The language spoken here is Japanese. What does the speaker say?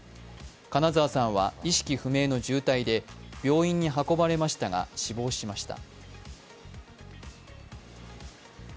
金澤さんは意識不明の重体で病院に運ばれましたが死亡しました。